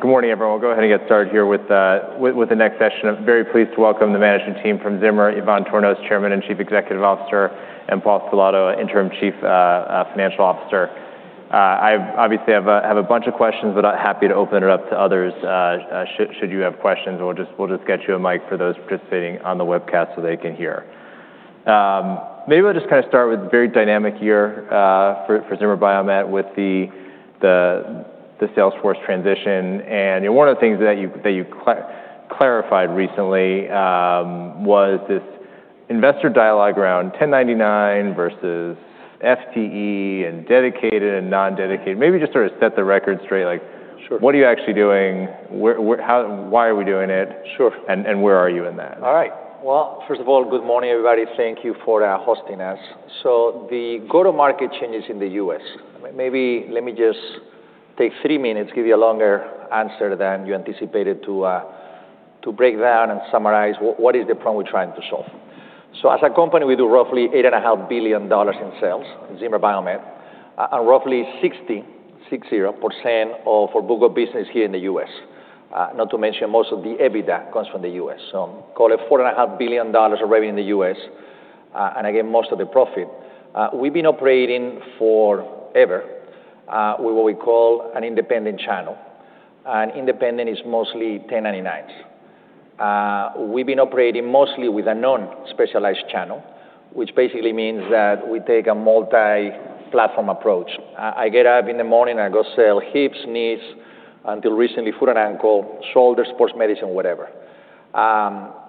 Good morning, everyone. We'll go ahead and get started here with the next session. I'm very pleased to welcome the management team from Zimmer, Ivan Tornos, Chairman and Chief Executive Officer, and Paul Stellato, Interim Chief Financial Officer. I obviously have a bunch of questions, but happy to open it up to others should you have questions, and we'll just get you a mic for those participating on the webcast so they can hear. We'll just start with a very dynamic year for Zimmer Biomet with the Salesforce transition. One of the things that you clarified recently was this investor dialogue around 1099 versus FTE and dedicated and non-dedicated. Just to set the record straight. Sure. What are you actually doing? Why are we doing it? Sure. Where are you in that? All right. Well, first of all, good morning, everybody. Thank you for hosting us. The go-to-market changes in the U.S., maybe let me just take three minutes, give you a longer answer than you anticipated to break down and summarize what is the problem we're trying to solve. As a company, we do roughly $8.5 billion in sales, Zimmer Biomet, and roughly 60%, six zero percent, of our book of business here in the U.S. Not to mention most of the EBITDA comes from the U.S., call it $4.5 billion of revenue in the U.S. Again, most of the profit. We've been operating forever, with what we call an independent channel. Independent is mostly 1099s. We've been operating mostly with a non-specialized channel, which basically means that we take a multi-platform approach. I get up in the morning, I go sell hips, knees, until recently, foot and ankle, shoulder, sports medicine, whatever.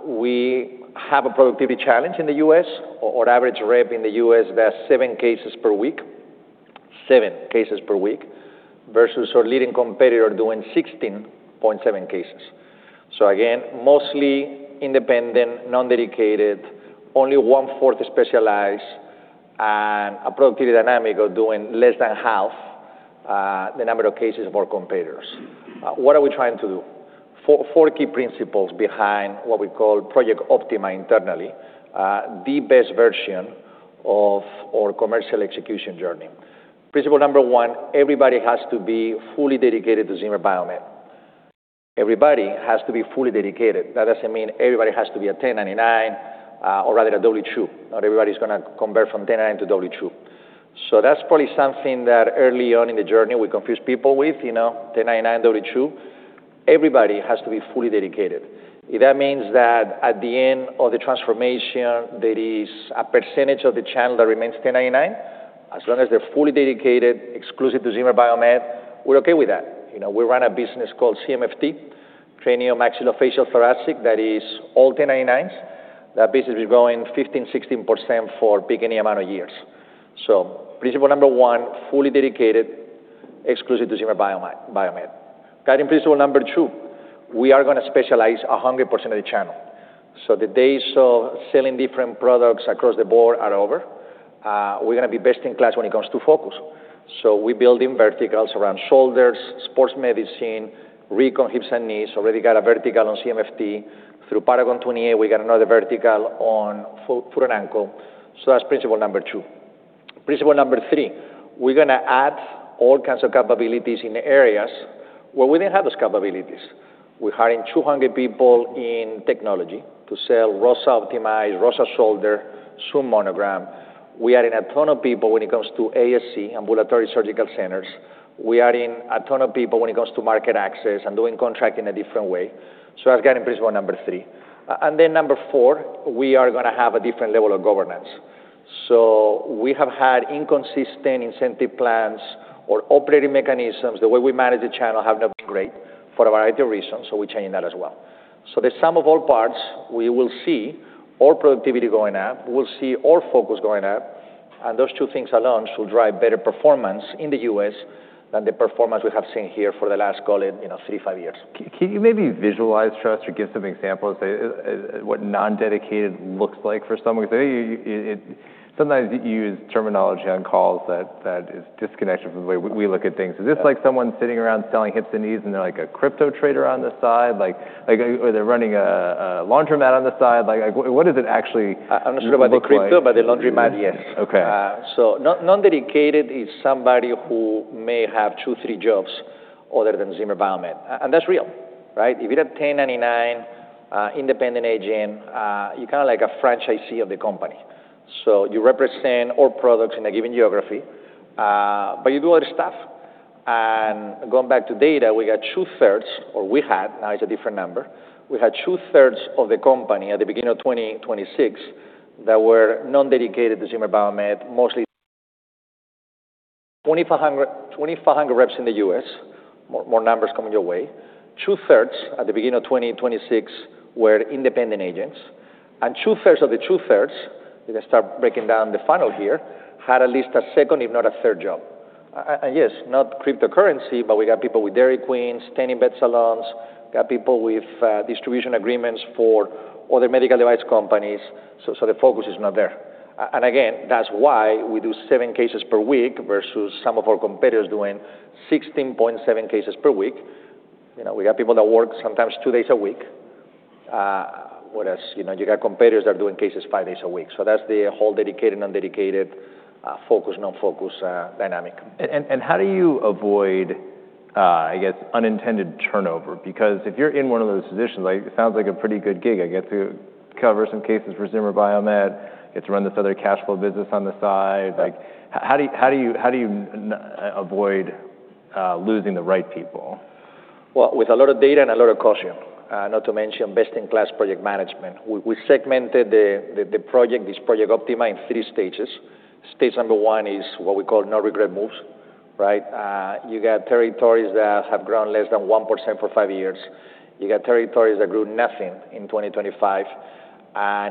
We have a productivity challenge in the U.S. Our average rep in the U.S. does seven cases per week. Seven cases per week versus our leading competitor doing 16.7 cases. Again, mostly independent, non-dedicated, only 1/4 is specialized, and a productivity dynamic of doing less than half the number of cases of our competitors. What are we trying to do? Four key principles behind what we call Project Optima internally. The best version of our commercial execution journey. Principle number one, everybody has to be fully dedicated to Zimmer Biomet. Everybody has to be fully dedicated. That doesn't mean everybody has to be a 1099 or rather a W-2. Not everybody's going to convert from 1099 to W-2. That's probably something that early on in the journey we confused people with, 1099, W-2. Everybody has to be fully dedicated. If that means that at the end of the transformation, there is a percentage of the channel that remains 1099, as long as they're fully dedicated, exclusive to Zimmer Biomet, we're okay with that. We run a business called CMFT, craniomaxillofacial thoracic, that is all 1099s. That business is growing 15%, 16% for a big any amount of years. Principle number one, fully dedicated, exclusive to Zimmer Biomet. Guiding principle number two, we are going to specialize 100% of the channel. The days of selling different products across the board are over. We're going to be best in class when it comes to focus. We're building verticals around shoulders, sports medicine, recon hips and knees. Already got a vertical on CMFT. Through Paragon 28, we got another vertical on foot and ankle. That's principle number two. Principle number three, we're going to add all kinds of capabilities in areas where we didn't have those capabilities. We're hiring 200 people in technology to sell ROSA OptimiZe, ROSA Shoulder, Monogram. We are adding a ton of people when it comes to ASC, ambulatory surgical centers. We are adding a ton of people when it comes to market access and doing contracting a different way. That's guiding principle number three. Number four, we are going to have a different level of governance. We have had inconsistent incentive plans. Our operating mechanisms, the way we manage the channel, have not been great for a variety of reasons, we're changing that as well. The sum of all parts, we will see our productivity going up, we'll see our focus going up, and those two things alone should drive better performance in the U.S. than the performance we have seen here for the last, call it, three to five years. Can you maybe visualize for us or give some examples of what non-dedicated looks like for someone? Sometimes you use terminology on calls that is disconnected from the way we look at things. Is this like someone sitting around selling hips and knees, and they're like a crypto trader on the side? They're running a laundromat on the side? What does it actually look like? I'm not sure about the crypto, the laundromat, yes. Okay. Non-dedicated is somebody who may have two, three jobs other than Zimmer Biomet. That's real. Right? If you're a 1099 independent agent, you're kind of like a franchisee of the company. You represent all products in a given geography, you do other stuff. Going back to data, we got 2/3s, or we had, now it's a different number. We had 2/3s of the company at the beginning of 2026 that were non-dedicated to Zimmer Biomet, mostly 2,500 reps in the U.S. More numbers coming your way. 2/3s at the beginning of 2026 were independent agents, 2/3a of the 2/3a, we can start breaking down the funnel here, had at least a second, if not a third job. Yes, not cryptocurrency, we got people with Dairy Queens, tanning bed salons, got people with distribution agreements for other medical device companies. The focus is not there. Again, that's why we do seven cases per week versus some of our competitors doing 16.7 cases per week. We got people that work sometimes two days a week. What else? You got competitors that are doing cases five days a week. That's the whole dedicated, non-dedicated, focus, non-focus dynamic. How do you avoid, I guess, unintended turnover? Because if you're in one of those positions, it sounds like a pretty good gig. I get to cover some cases for Zimmer Biomet, get to run this other cash flow business on the side. How do you avoid losing the right people? Well, with a lot of data and a lot of caution, not to mention best-in-class project management. We segmented the project, this Project Optima, in three stages. Stage one is what we call no-regret moves. You got territories that have grown less than 1% for five years. You got territories that grew nothing in 2025.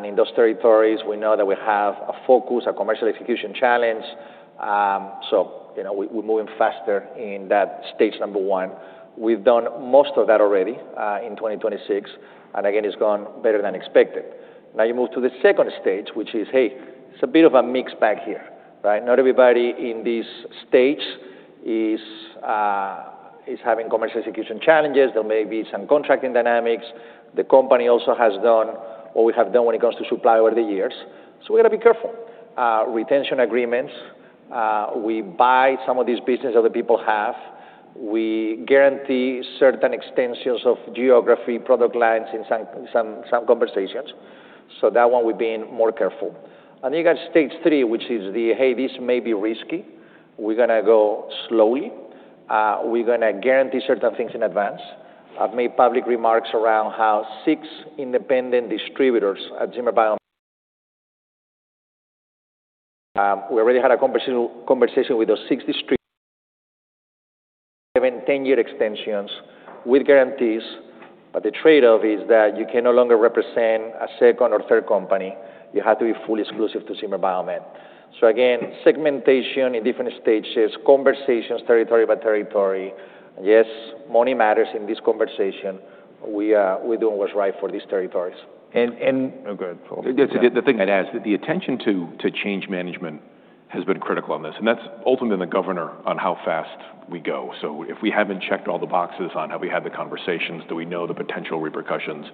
In those territories, we know that we have a focus, a commercial execution challenge. We're moving faster in that stage number one. We've done most of that already in 2026, and again, it's gone better than expected. You move to the second stage, which is, hey, it's a bit of a mix bag here. Not everybody in this stage is having commercial execution challenges. There may be some contracting dynamics. The company also has done what we have done when it comes to supply over the years. We got to be careful. Retention agreements. We buy some of these business other people have. We guarantee certain extensions of geography, product lines in some conversations. That one, we're being more careful. You got stage three, which is the, hey, this may be risky. We're going to go slowly. We're going to guarantee certain things in advance. I've made public remarks around how six independent distributors at Zimmer Biomet. We already had a conversation with those 60 distributors giving 10-year extensions with guarantees. The trade-off is that you can no longer represent a second or third company. You have to be fully exclusive to Zimmer Biomet. Again, segmentation in different stages, conversations territory by territory. Yes, money matters in this conversation. We're doing what's right for these territories. And- Oh, go ahead, Paul. Yeah. The thing I'd add is that the attention to change management has been critical on this, and that's ultimately the governor on how fast we go. If we haven't checked all the boxes on have we had the conversations, do we know the potential repercussions,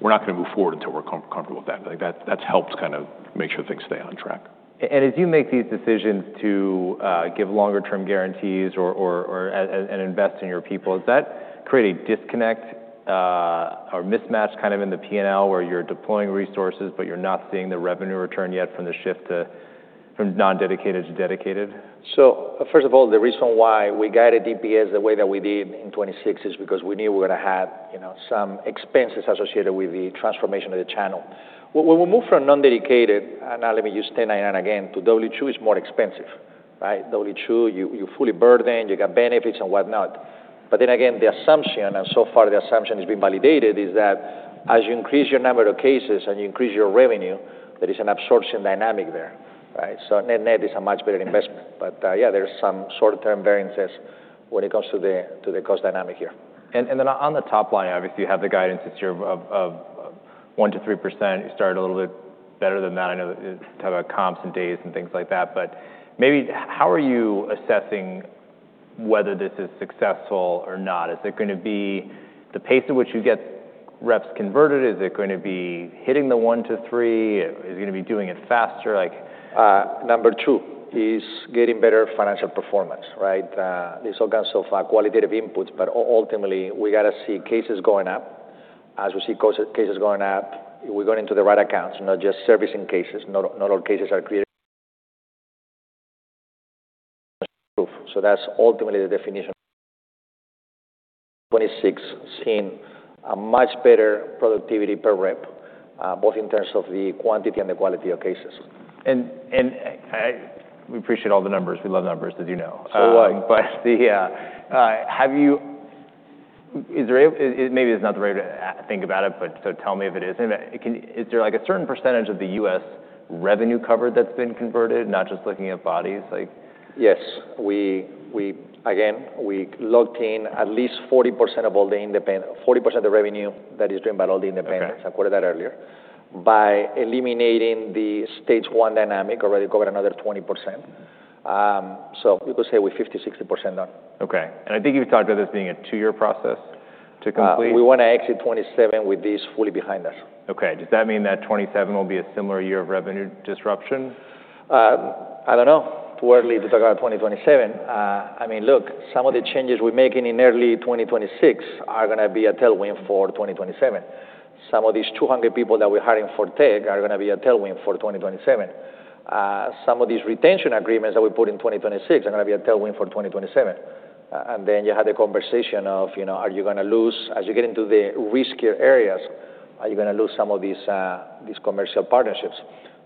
we're not going to move forward until we're comfortable with that. That's helped kind of make sure things stay on track. As you make these decisions to give longer-term guarantees or, and invest in your people, does that create a disconnect or mismatch in the P&L where you're deploying resources but you're not seeing the revenue return yet from the shift from non-dedicated to dedicated? First of all, the reason why we guided EPS the way that we did in 2026 is because we knew we were going to have some expenses associated with the transformation of the channel. When we move from non-dedicated, and now let me use 1099 again, to W-2, it's more expensive. W-2, you're fully burdened, you got benefits and whatnot. Again, the assumption, and so far the assumption has been validated, is that as you increase your number of cases and you increase your revenue, there is an absorption dynamic there. Net is a much better investment. Yeah, there's some short-term variances when it comes to the cost dynamic here. On the top line, obviously, you have the guidance that's your 1%-3%. You started a little bit better than that. I know talk about comps and days and things like that. Maybe how are you assessing whether this is successful or not? Is it going to be the pace at which you get reps converted? Is it going to be hitting the 1%-3%? Is it going to be doing it faster? Number two is getting better financial performance. There's all kinds of qualitative inputs, but ultimately, we got to see cases going up. As we see cases going up, we're going into the right accounts, not just servicing cases. Not all cases are created equal. That's ultimately the definition of productivity. In 2026, seeing a much better productivity per rep, both in terms of the quantity and the quality of cases. We appreciate all the numbers. We love numbers. Did you know? So do I. Yeah. Maybe it's not the right way to think about it, but tell me if it isn't. Is there a certain percentage of the U.S. revenue covered that's been converted, not just looking at bodies? Yes. Again, we locked in at least 40% of revenue that is driven by all the independents. Okay. I quoted that earlier. By eliminating the stage one dynamic, already covered another 20%. You could say we're 50%, 60% done. Okay. I think you've talked about this being a two-year process to complete? We want to exit 2027 with this fully behind us. Okay. Does that mean that 2027 will be a similar year of revenue disruption? I don't know. Too early to talk about 2027. Look, some of the changes we're making in early 2026 are going to be a tailwind for 2027. Some of these 200 people that we're hiring for tech are going to be a tailwind for 2027. Some of these retention agreements that we put in 2026 are going to be a tailwind for 2027. Then you have the conversation of are you going to lose, as you get into the riskier areas, are you going to lose some of these commercial partnerships?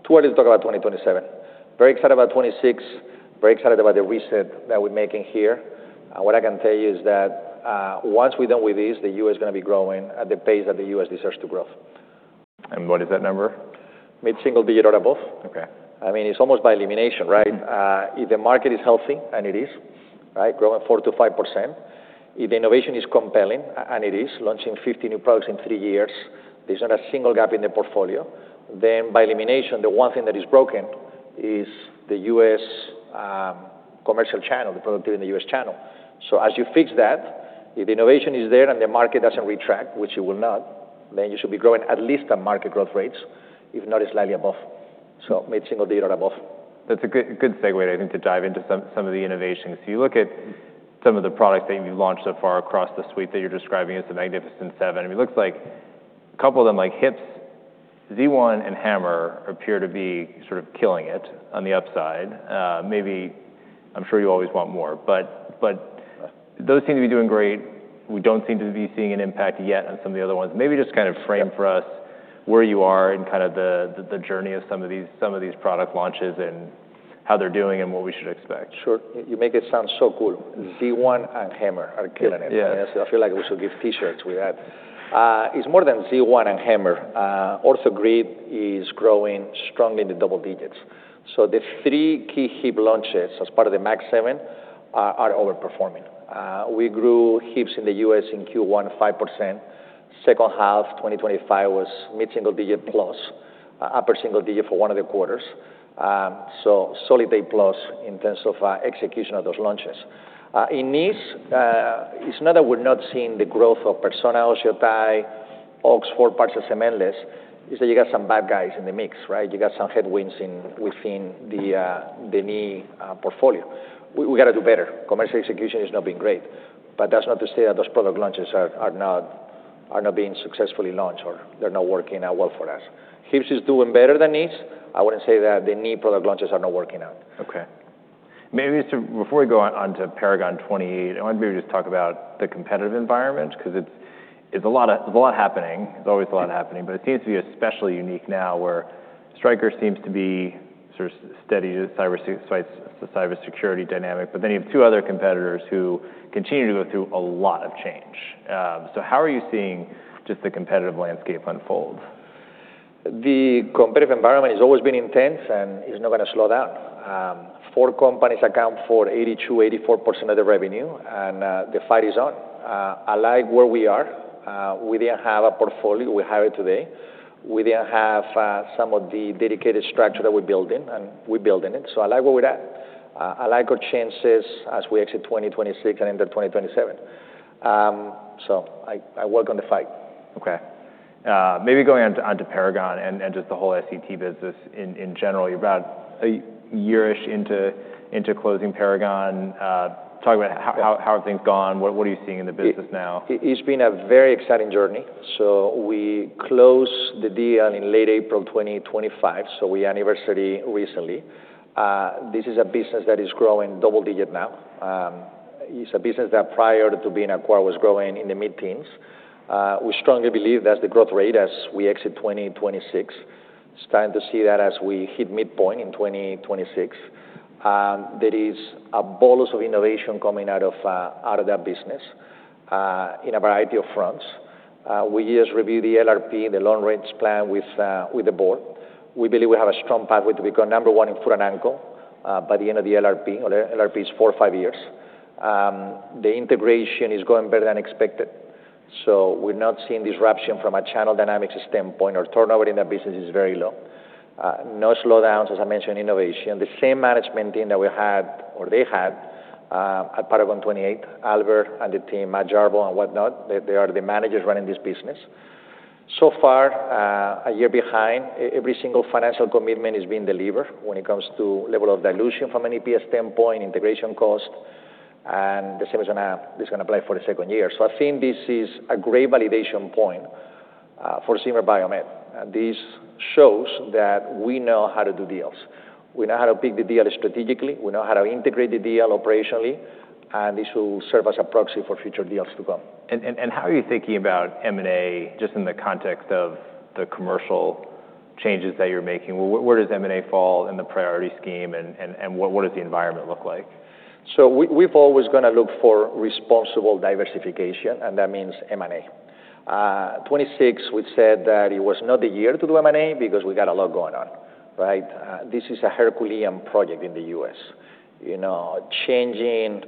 Too early to talk about 2027. Very excited about 2026. Very excited about the reset that we're making here. What I can tell you is that once we're done with this, the U.S. is going to be growing at the pace that the U.S. deserves to grow. What is that number? Mid-single digit or above. Okay. It's almost by elimination, right? If the market is healthy, and it is, growing 4%-5%. If innovation is compelling, and it is, launching 50 new products in three years, there's not a single gap in the portfolio. By elimination, the one thing that is broken is the U.S. commercial channel, the productivity in the U.S. channel. As you fix that, if innovation is there and the market doesn't retract, which it will not, you should be growing at least at market growth rates, if not slightly above. Mid-single digit or above. That's a good segue, I think, to dive into some of the innovations. You look at some of the products that you've launched so far across the suite that you're describing as the Magnificent Seven. It looks like a couple of them, like Hips, Z1, and HAMMR appear to be sort of killing it on the upside. I'm sure you always want more, but those seem to be doing great. We don't seem to be seeing an impact yet on some of the other ones. Maybe just kind of frame for us where you are in kind of the journey of some of these product launches and how they're doing and what we should expect. Sure. You make it sound so cool. Z1 and HAMMR are killing it. Yeah. I feel like we should give T-shirts we have. It's more than Z1 and HAMMR. OrthoGrid is growing strongly in the double digits. The three key hip launches as part of the Magnificent Seven are overperforming. We grew hips in the U.S. in Q1, 5%. Second half 2025 was mid-single digit plus, upper single digit for one of the quarters. Solid day plus in terms of execution of those launches. In Knees, it's not that we're not seeing the growth of Persona, OsseoTi, Oxford parts of Cementless, is that you got some bad guys in the mix, right? You got some headwinds within the Knee portfolio. We got to do better. Commercial execution has not been great. That's not to say that those product launches are not being successfully launched, or they're not working out well for us. Hips is doing better than Knees. I wouldn't say that the knee product launches are not working out. Okay. Maybe before we go onto Paragon 28, I wonder if we could just talk about the competitive environment, because there's a lot happening. There's always a lot happening, but it seems to be especially unique now where Stryker seems to be sort of steady, the cybersecurity dynamic. You have two other competitors who continue to go through a lot of change. How are you seeing just the competitive landscape unfold? The competitive environment has always been intense, and it's not going to slow down. Four companies account for 82%, 84% of the revenue, and the fight is on. I like where we are. We didn't have a portfolio. We have it today. We didn't have some of the dedicated structure that we're building, and we're building it. I like where we're at. I like our chances as we exit 2026 and enter 2027. I welcome the fight. Okay. Maybe going onto Paragon and just the whole SET business in general. You're about a year-ish into closing Paragon. Talk about how have things gone. What are you seeing in the business now? It's been a very exciting journey. We closed the deal in late April 2025, so we anniversary recently. This is a business that is growing double-digit now. It's a business that prior to being acquired was growing in the mid-teens. We strongly believe that's the growth rate as we exit 2026. Starting to see that as we hit midpoint in 2026. There is a bolus of innovation coming out of that business in a variety of fronts. We just reviewed the LRP, the long-range plan, with the board. We believe we have a strong pathway to become number one in foot and ankle by the end of the LRP. LRP is four or five years. The integration is going better than expected, so we're not seeing disruption from a channel dynamics standpoint. Our turnover in that business is very low. No slowdowns. As I mentioned, innovation. The same management team that we had, or they had, at Paragon 28, Albert and the team, Matt Jarboe and whatnot, they are the managers running this business. So far, a year behind, every single financial commitment is being delivered when it comes to level of dilution from an EPS standpoint, integration cost, and the same is going to apply for the second year. I think this is a great validation point for Zimmer Biomet. This shows that we know how to do deals. We know how to pick the deal strategically. We know how to integrate the deal operationally, and this will serve as a proxy for future deals to come. And how are you thinking about M&A just in the context of the commercial changes that you're making? Where does M&A fall in the priority scheme, and what does the environment look like? We've always going to look for responsible diversification, and that means M&A. 2026, we said that it was not the year to do M&A because we got a lot going on, right? This is a Herculean project in the U.S. Changing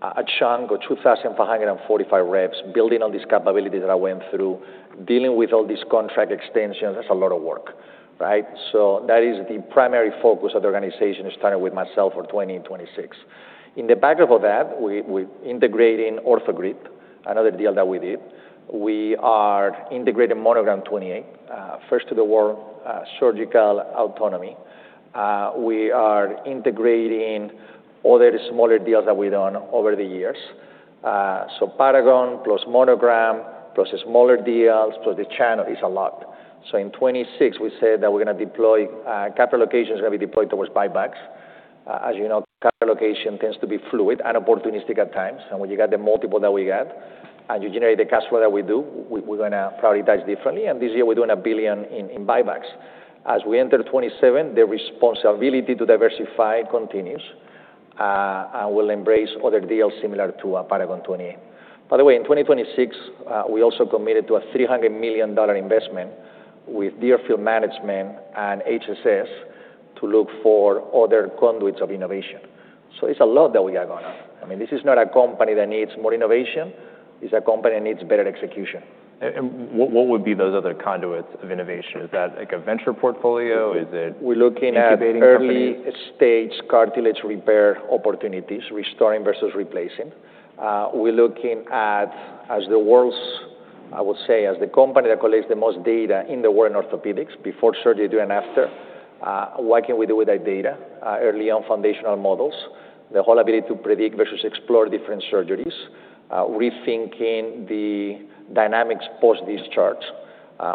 a chunk of 2,545 reps, building on these capabilities that I went through, dealing with all these contract extensions, that's a lot of work, right? That is the primary focus of the organization, starting with myself for 2026. In the backdrop of that, we're integrating OrthoGrid, another deal that we did. We are integrating Monogram, first-in-the-world surgical autonomy. We are integrating other smaller deals that we've done over the years. Paragon plus Monogram plus the smaller deals plus the channel is a lot. In 2026, we said that we're going to deploy. Capital allocations are going to be deployed towards buybacks. As you know, capital allocation tends to be fluid and opportunistic at times. When you got the multiple that we got, and you generate the cash flow that we do, we're going to prioritize differently, and this year we're doing a $1 billion in buybacks. As we enter 2027, the responsibility to diversify continues, and we'll embrace other deals similar to Paragon 28. By the way, in 2026, we also committed to a $300 million investment with Deerfield Management and HSS to look for other conduits of innovation. It's a lot that we got going on. This is not a company that needs more innovation. It's a company that needs better execution. What would be those other conduits of innovation? Is that like a venture portfolio? Is it incubating companies? We're looking at early stage cartilage repair opportunities, restoring versus replacing. We're looking at, as the world's, I would say, as the company that collects the most data in the world in orthopedics before surgery, during, after, what can we do with that data early on, foundational models, the whole ability to predict versus explore different surgeries, rethinking the dynamics post-discharge.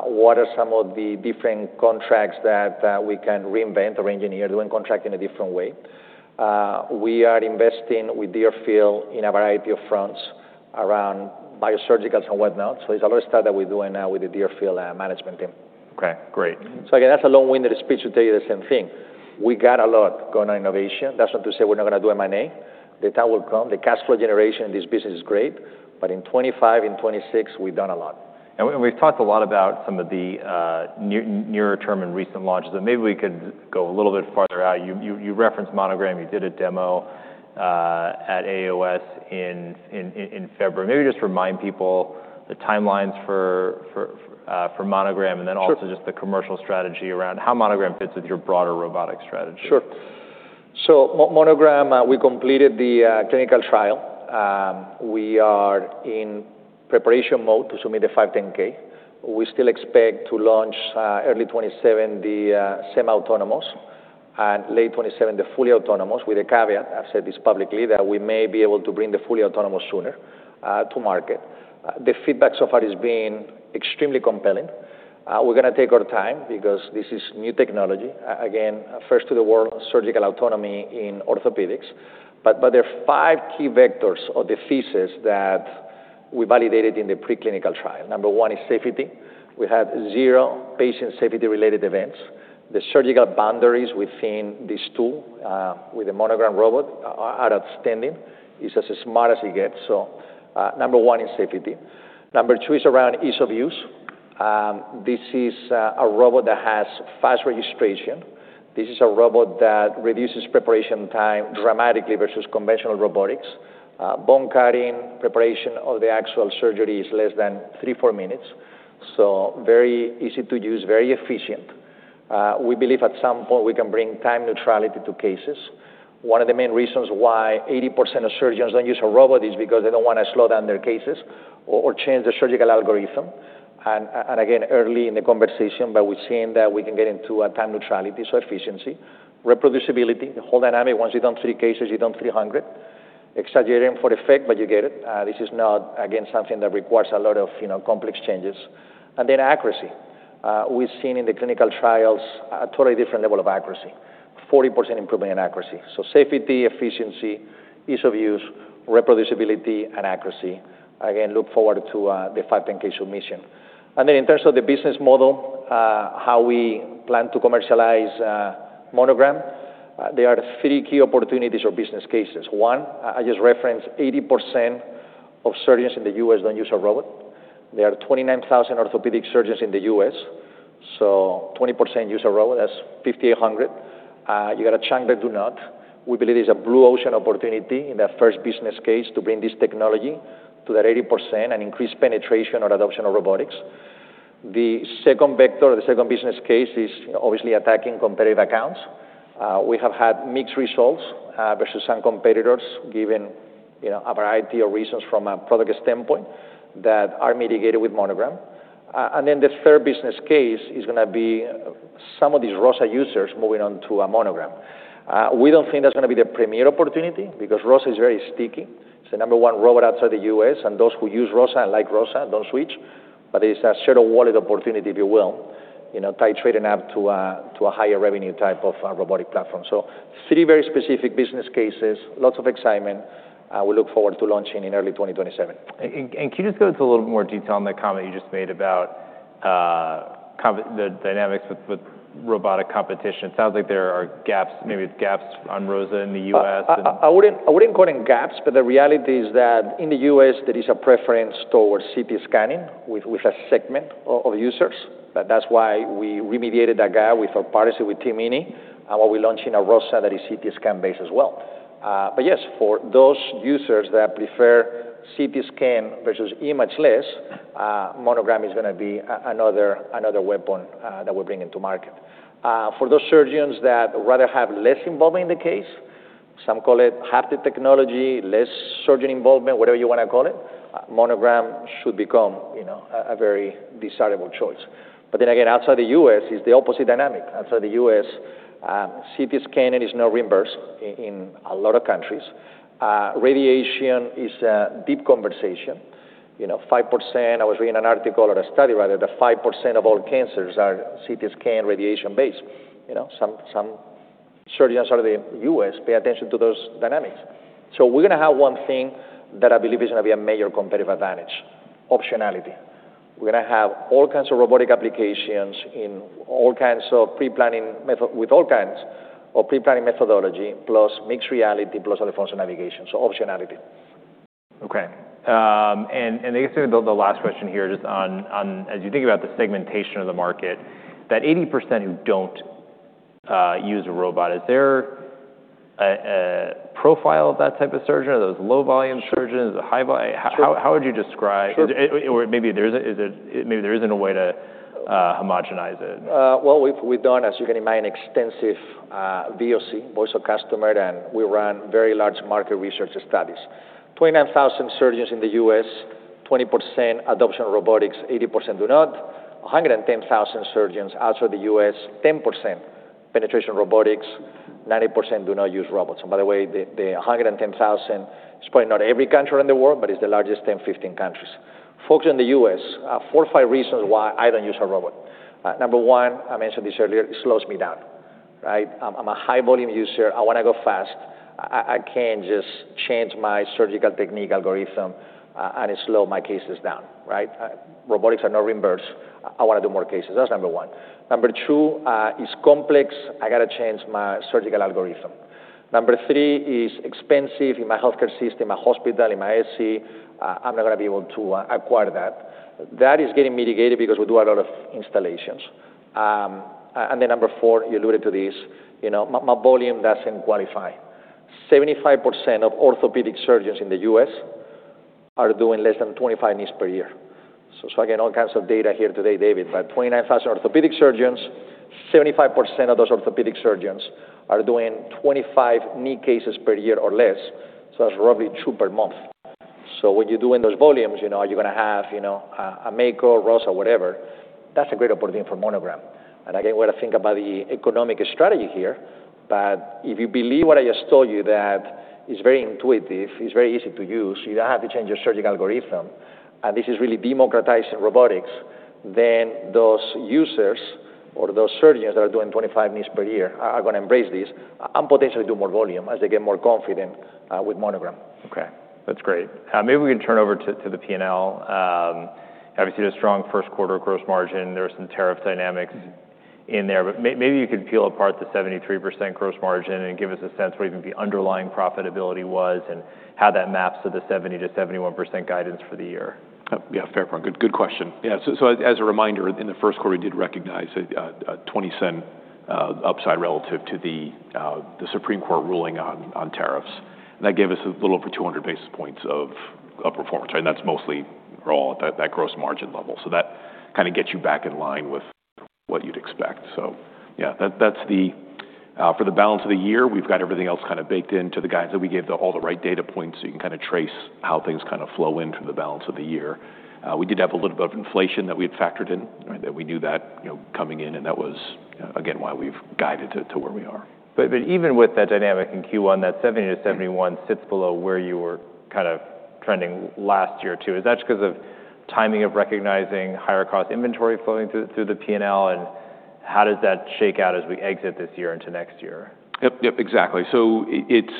What are some of the different contracts that we can reinvent or reengineer, doing contract in a different way? We are investing with Deerfield in a variety of fronts around biosurgicals and whatnot. It's a lot of stuff that we're doing now with the Deerfield management team. Okay, great. Again, that's a long-winded speech to tell you the same thing. We got a lot going on innovation. That's not to say we're not going to do M&A. The time will come. The cash flow generation in this business is great. In 2025, in 2026, we've done a lot. We've talked a lot about some of the nearer term and recent launches, and maybe we could go a little bit farther out. You referenced Monogram. You did a demo at AAOS in February. Maybe just remind people the timelines for Monogram. Sure Also just the commercial strategy around how Monogram fits with your broader robotic strategy. Sure. Monogram, we completed the clinical trial. We are in preparation mode to submit the 510(k). We still expect to launch early 2027 the semi-autonomous, and late 2027 the fully autonomous with a caveat, I've said this publicly, that we may be able to bring the fully autonomous sooner to market. The feedback so far has been extremely compelling. We're going to take our time because this is new technology. Again, first to the world surgical autonomy in orthopedics. There are five key vectors or theses that we validated in the preclinical trial. Number one is safety. We had zero patient safety-related events. The surgical boundaries within this tool, with the Monogram robot, are outstanding. It's as smart as it gets. Number one is safety. Number two is around ease of use. This is a robot that has fast registration. This is a robot that reduces preparation time dramatically versus conventional robotics. Bone cutting, preparation of the actual surgery is less than three, four minutes. Very easy to use, very efficient. We believe at some point we can bring time neutrality to cases. One of the main reasons why 80% of surgeons don't use a robot is because they don't want to slow down their cases or change the surgical algorithm. Again, early in the conversation, but we've seen that we can get into a time neutrality, so efficiency. Reproducibility, the whole dynamic, once you've done three cases, you've done 300. Exaggerating for effect, but you get it. This is not, again, something that requires a lot of complex changes. Then accuracy. We've seen in the clinical trials a totally different level of accuracy, 40% improvement in accuracy. So safety, efficiency, ease of use, reproducibility and accuracy. Again, look forward to the 510(k) submission. Then in terms of the business model, how we plan to commercialize Monogram, there are three key opportunities or business cases. One. I just referenced 80% of surgeons in the U.S. don't use a robot. There are 29,000 orthopedic surgeons in the U.S. 20% use a robot, that's 5,800. You got a chunk that do not. We believe there's a blue ocean opportunity in that first business case to bring this technology to that 80% and increase penetration or adoption of robotics. The second vector or the second business case is obviously attacking competitive accounts. We have had mixed results versus some competitors given a variety of reasons from a product standpoint that are mitigated with Monogram. Then the third business case is going to be some of these ROSA users moving on to a Monogram. We don't think that's going to be the premier opportunity because ROSA is very sticky. It's the number one robot outside the U.S., and those who use ROSA and like ROSA don't switch. It's a shadow wallet opportunity, if you will, tie trading up to a higher revenue type of robotic platform. Three very specific business cases, lots of excitement. We look forward to launching in early 2027. Can you just go into a little more detail on that comment you just made about the dynamics with robotic competition? It sounds like there are gaps, maybe gaps on ROSA in the U.S. The reality is that in the U.S., there is a preference towards CT scanning with a segment of users. That's why we remediated that gap with our partnership with TMINI, and we're launching a ROSA that is CT scan-based as well. Yes, for those users that prefer CT scan versus image less, Monogram is going to be another weapon that we're bringing to market. For those surgeons that rather have less involvement in the case, some call it haptic technology, less surgeon involvement, whatever you want to call it, Monogram should become a very desirable choice. Again, outside the U.S., it's the opposite dynamic. Outside the U.S., CT scanning is not reimbursed in a lot of countries. Radiation is a deep conversation. 5%, I was reading an article or a study rather, that 5% of all cancers are CT scan radiation-based. Some surgeons outside of the U.S. pay attention to those dynamics. We're going to have one thing that I believe is going to be a major competitive advantage: optionality. We're going to have all kinds of robotic applications in all kinds of pre-planning method with all kinds of pre-planning methodology, plus mixed reality, plus all the functional navigation. Optionality. Okay. I guess maybe the last question here, just on as you think about the segmentation of the market, that 80% who don't use a robot, is there a profile of that type of surgeon? Are those low volume surgeons? Sure. How would you describe- Sure Maybe there isn't a way to homogenize it. Well, we've done, as you can imagine, extensive VOC, voice of customer, and we run very large market research studies. 29,000 surgeons in the U.S., 20% adoption of robotics, 80% do not. 110,000 surgeons outside the U.S., 10% penetration robotics, 90% do not use robots. By the way, the 110,000 is probably not every country in the world, but it's the largest 10, 15 countries. Folks in the U.S., four or five reasons why I don't use a robot. Number one, I mentioned this earlier, it slows me down. I'm a high volume user. I want to go fast. I can't just change my surgical technique algorithm and it slow my cases down. Robotics are not reimbursed. I want to do more cases. That's number one. Number two, it's complex. I got to change my surgical algorithm. Number three, it's expensive in my healthcare system, my hospital, in my ASC. I'm not going to be able to acquire that. That is getting mitigated because we do a lot of installations. Number four, you alluded to this, my volume doesn't qualify. 75% of orthopedic surgeons in the U.S. are doing less than 25 knees per year. Again, all kinds of data here today, David, but 29,000 orthopedic surgeons, 75% of those orthopedic surgeons are doing 25 knee cases per year or less. That's roughly two per month. When you're doing those volumes, you're going to have a Mako, ROSA, whatever. That's a great opportunity for Monogram. Again, we ought to think about the economic strategy here, but if you believe what I just told you, that it's very intuitive, it's very easy to use. You don't have to change your surgical algorithm, this is really democratizing robotics. Those users or those surgeons that are doing 25 knees per year are going to embrace this and potentially do more volume as they get more confident with Monogram. Okay. That's great. Maybe we can turn over to the P&L. Obviously, a strong first quarter gross margin. There are some tariff dynamics in there, but maybe you could peel apart the 73% gross margin and give us a sense what even the underlying profitability was and how that maps to the 70%-71% guidance for the year. Yeah. Fair point. Good question. Yeah. As a reminder, in the first quarter, we did recognize a $0.20 upside relative to the Supreme Court ruling on tariffs. That gave us a little over 200 basis points of performance, and that's mostly raw, that gross margin level. That kind of gets you back in line with what you'd expect. Yeah, for the balance of the year, we've got everything else kind of baked into the guidance that we gave to all the right data points, so you can kind of trace how things kind of flow in through the balance of the year. We did have a little bit of inflation that we had factored in. That we knew that coming in, and that was again why we've guided to where we are. Even with that dynamic in Q1, that 70%-71% sits below where you were kind of trending last year too. Is that just because of timing of recognizing higher cost inventory flowing through the P&L? How does that shake out as we exit this year into next year? Yep. Exactly. It's,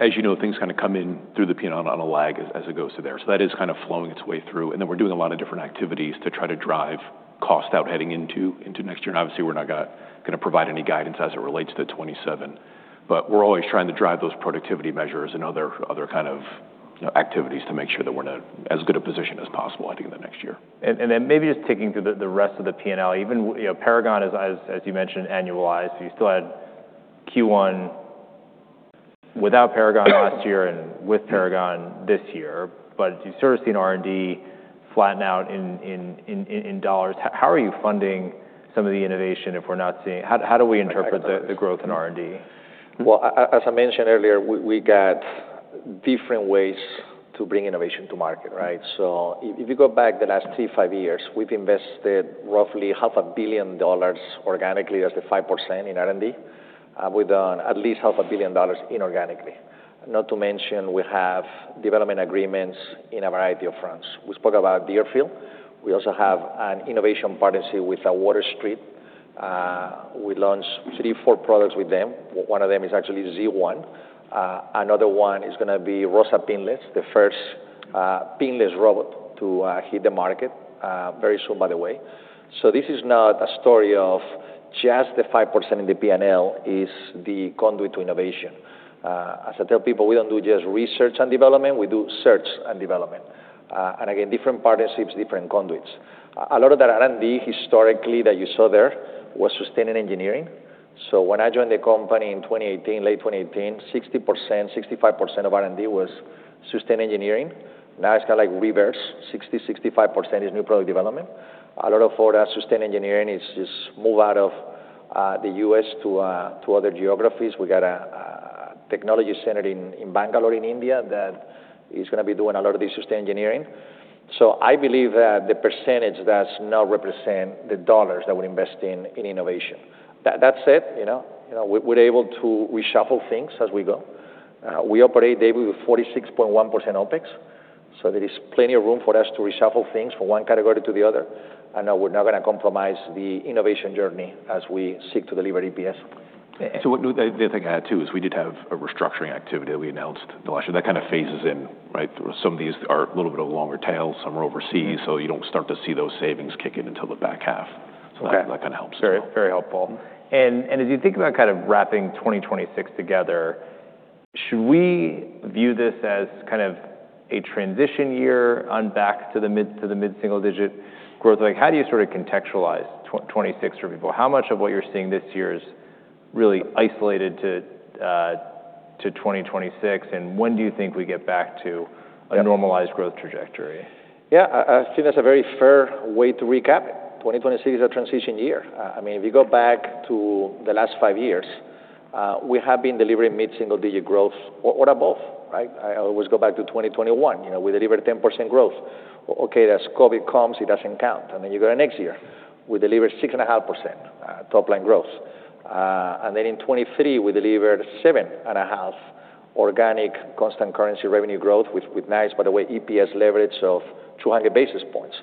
as you know, things kind of come in through the P&L on a lag as it goes through there. That is kind of flowing its way through, and then we're doing a lot of different activities to try to drive cost out heading into next year. Obviously we're not going to provide any guidance as it relates to the 2027, but we're always trying to drive those productivity measures and other kind of activities to make sure that we're in as good a position as possible I think in the next year. Maybe just taking through the rest of the P&L even, Paragon as you mentioned, annualized. You still had Q1 without Paragon last year and with Paragon this year, you've sort of seen R&D flatten out in dollars. How do we interpret the growth in R&D? Well, as I mentioned earlier, we got different ways to bring innovation to market. If you go back the last three, five years, we've invested roughly half a billion dollars organically as the 5% in R&D. We've done at least half a billion dollars inorganically. Not to mention we have development agreements in a variety of fronts. We spoke about Deerfield. We also have an innovation partnership with Water Street. We launched three, four products with them. One of them is actually Z1. Another one is going to be ROSA Pinless, the first pinless robot to hit the market very soon, by the way. This is not a story of just the 5% in the P&L is the conduit to innovation. As I tell people, we don't do just research and development, we do search and development. Again, different partnerships, different conduits. A lot of that R&D historically that you saw there was sustained in engineering. When I joined the company in 2018, late 2018, 60%, 65% of R&D was sustained engineering. Now it's kind of like reverse 60%, 65% is new product development. A lot of our sustained engineering is just move out of the U.S. to other geographies. We got a technology center in Bangalore in India that is going to be doing a lot of the sustained engineering. I believe that the percentage does not represent the dollars that we invest in innovation. That said, we're able to reshuffle things as we go. We operate, David, with 46.1% OPEX, so there is plenty of room for us to reshuffle things from one category to the other, and we're not going to compromise the innovation journey as we seek to deliver EPS. What the other thing I'd add too, is we did have a restructuring activity that we announced last year. That kind of phases in. Some of these are a little bit of a longer tail, some are overseas, so you don't start to see those savings kick in until the back half. That kind of helps as well. Very helpful. As you think about kind of wrapping 2026 together, should we view this as kind of a transition year on back to the mid-single-digit growth? How do you sort of contextualize 2026 for people? How much of what you're seeing this year is really isolated to 2026, and when do you think we get back to- Yeah a normalized growth trajectory? Yeah, I think that's a very fair way to recap it. 2026 is a transition year. If you go back to the last five years, we have been delivering mid-single-digit growth or above, right? I always go back to 2021. We delivered 10% growth. Okay, as COVID comes, it doesn't count. You go to next year, we delivered 6.5% top-line growth. In 2023, we delivered 7.5 organic constant currency revenue growth with nice, by the way, EPS leverage of 200 basis points.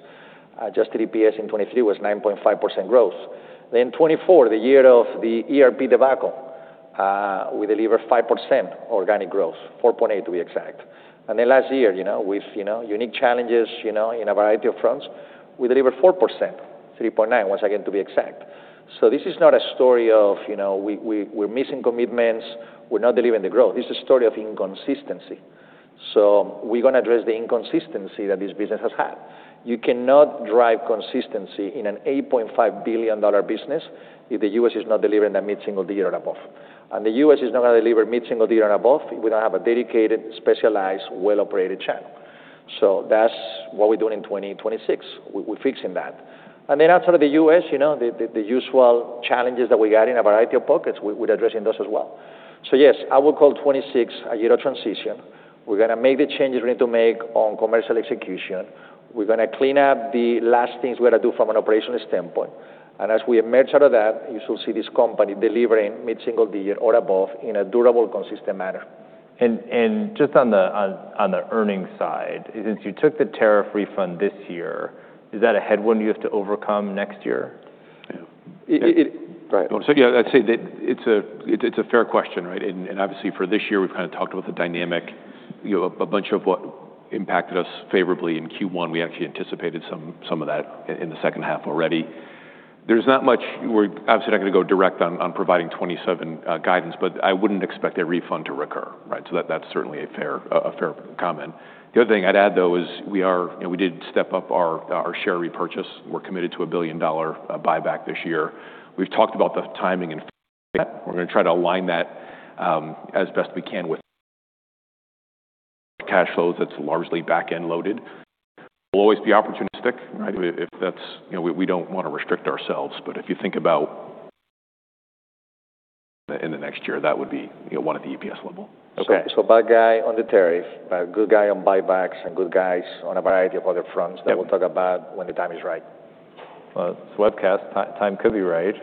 Adjusted EPS in 2023 was 9.5% growth. 2024, the year of the ERP debacle, we delivered 5% organic growth, 4.8 to be exact. Last year, with unique challenges in a variety of fronts, we delivered 4%, 3.9, once again, to be exact. This is not a story of we're missing commitments, we're not delivering the growth. This is a story of inconsistency. We're going to address the inconsistency that this business has had. You cannot drive consistency in an $8.5 billion business if the U.S. is not delivering that mid-single digit or above. The U.S. is not going to deliver mid-single digit or above if we don't have a dedicated, specialized, well-operated channel. That's what we're doing in 2026. We're fixing that. Outside of the U.S., the usual challenges that we had in a variety of pockets, we're addressing those as well. Yes, I would call 2026 a year of transition. We're going to make the changes we need to make on commercial execution. We're going to clean up the last things we got to do from an operational standpoint. As we emerge out of that, you should see this company delivering mid-single digit or above in a durable, consistent manner. Just on the earnings side, since you took the tariff refund this year, is that a headwind you have to overcome next year? Yeah, I'd say that it's a fair question, right? Obviously for this year, we've kind of talked about the dynamic, a bunch of what impacted us favorably in Q1. We actually anticipated some of that in the second half already. We're obviously not going to go direct on providing 2027 guidance, but I wouldn't expect a refund to recur, right? That's certainly a fair comment. The other thing I'd add, though, is we did step up our share repurchase. We're committed to a $1 billion buyback this year. We've talked about the timing and that we're going to try to align that as best we can with cash flows that's largely back-end loaded. We'll always be opportunistic, right? We don't want to restrict ourselves, but if you think about in the next year, that would be one at the EPS level. Okay. Bad guy on the tariff, good guy on buybacks and good guys on a variety of other fronts. Yeah That we'll talk about when the time is right. It's a webcast, time could be right.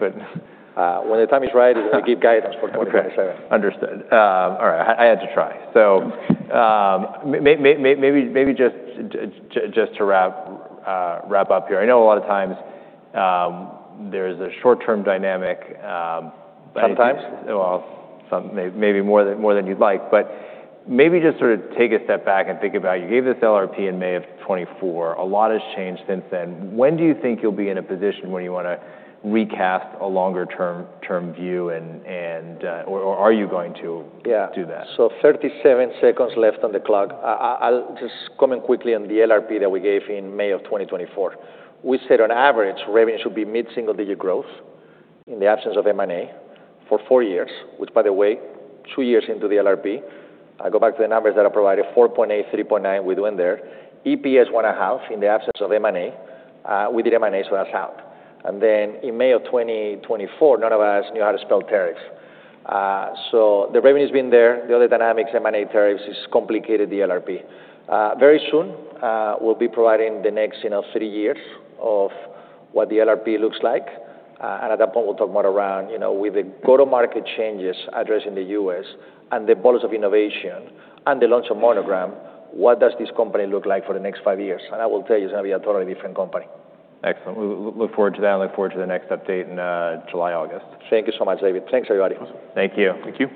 When the time is right, is when we give guidance for 2027. Okay. Understood. All right, I had to try. Maybe just to wrap up here, I know a lot of times there's a short-term dynamic- Sometimes Maybe more than you'd like, but maybe just sort of take a step back and think about, you gave this LRP in May of 2024. A lot has changed since then. When do you think you'll be in a position where you want to recast a longer-term view, or are you going to- Yeah do that? 37 seconds left on the clock. I'll just comment quickly on the LRP that we gave in May of 2024. We said on average, revenue should be mid-single digit growth in the absence of M&A for four years, which by the way, two years into the LRP, I go back to the numbers that I provided, 4.8, 3.9, we do in there. EPS $1.5 in the absence of M&A. We did M&A, so that's out. In May of 2024, none of us knew how to spell tariffs. The revenue's been there. The other dynamics, M&A tariffs has complicated the LRP. Very soon, we'll be providing the next three years of what the LRP looks like. At that point, we'll talk more around with the go-to-market changes addressing the U.S., and the bolus of innovation, and the launch of Monogram, what does this company look like for the next five years? I will tell you, it's going to be a totally different company. Excellent. We look forward to that and look forward to the next update in July, August. Thank you so much, David. Thanks, everybody. Thank you. Thank you.